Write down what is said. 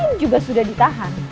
pelakunya juga sudah ditahan